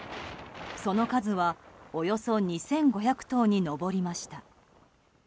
その数はおよそ２５００頭に上りました。